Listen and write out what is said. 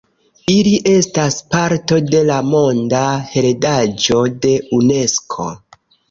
Ili estas parto de la Monda heredaĵo de Unesko.